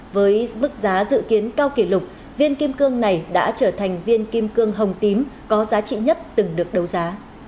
với mức giá dự kiến cao kỷ lục viên kim cương này đã trở thành viên kim cương hồng tím có giá trị nhất từng được đấu giá